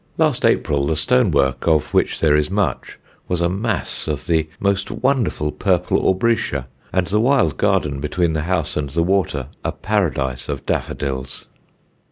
Last April, the stonework, of which there is much, was a mass of the most wonderful purple aubretia, and the wild garden between the house and the water a paradise of daffodils.